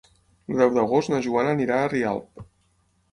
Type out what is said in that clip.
El deu d'agost na Joana anirà a Rialp.